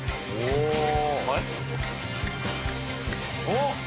おっ！